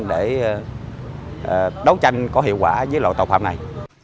đối tranh có hiệu quả với loại tội phạm này